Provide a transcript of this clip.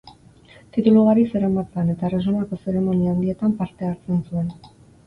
Titulu ugari zeramatzan, eta erresumako zeremonia handietan parte hartzen zuen.